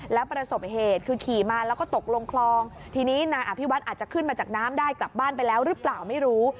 แล้วประสบเหตุคือขี่มาแล้วก็ตกลงคลองทีนี้นายอภิวัฒน์อาจจะขึ้นมาจากน้ำได้กลับบ้านไปแล้วหรือเปล่าไม่รู้